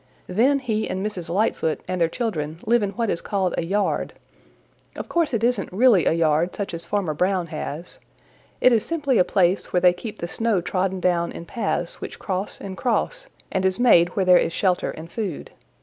Then he and Mrs. Lightfoot and their children live in what is called a yard. Of course it isn't really a yard such as Farmer Brown has. It is simply a place where they keep the snow trodden down in paths which cross and cross, and is made where there is shelter and food.